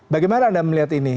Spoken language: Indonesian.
bagaimana anda melihat ini